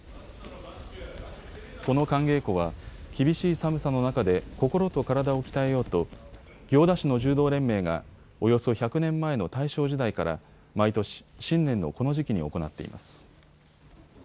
この寒稽古は厳しい寒さの中で心と体を鍛えようと行田市の柔道連盟がおよそ１００年前の大正時代から毎年、新年のこの時期に行っています。